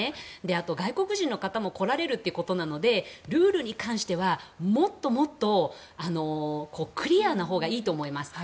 あと、外国人の方も来られるということなのでルールに関してはもっともっとクリアなほうがいいと思います。